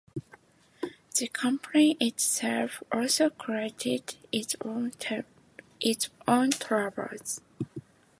The company itself also created its own trouble.